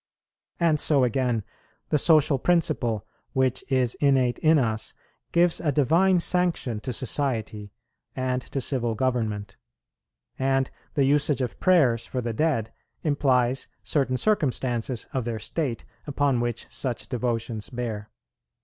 And so again, the social principle, which is innate in us, gives a divine sanction to society and to civil government. And the usage of prayers for the dead implies certain circumstances of their state upon which such devotions bear.